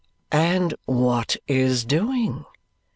"And what is doing?"